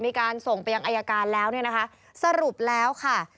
มีการส่งตัวอย่างอายการแล้วสรุปแล้วค่ะ